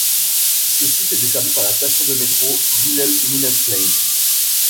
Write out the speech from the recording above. Ce site est desservi par la station de métro Wilhelminaplein.